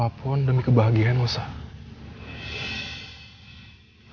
apapun demi kebahagiaan lo sa